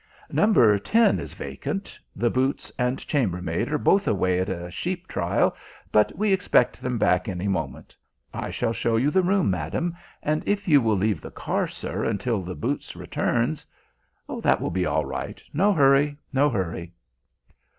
"Number ten is vacant. The boots and chambermaid are both away at a sheep trial, but we expect them back any moment. I shall show you the room, madam, and if you will leave the car, sir, until the boots returns " "That will be all right. No hurry, no hurry."